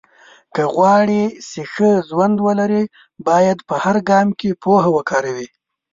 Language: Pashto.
که غواړې چې ښه ژوند ولرې، باید په هر ګام کې پوهه وکاروې.